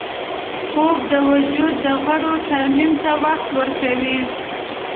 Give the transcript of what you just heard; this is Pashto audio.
خوب د وجود د غړو ترمیم ته وخت ورکوي